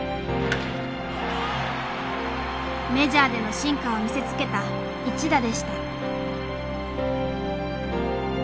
メジャーでの進化を見せつけた一打でした。